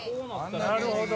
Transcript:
なるほど！